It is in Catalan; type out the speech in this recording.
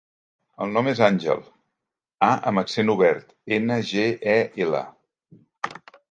El nom és Àngel: a amb accent obert, ena, ge, e, ela.